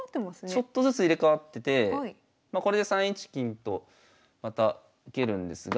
ちょっとずつ入れ代わっててこれで３一金とまた受けるんですが。